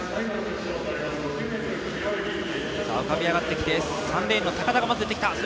浮かび上がってきて３レーンの高田がまず出てきた。